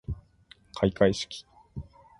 かいかいしき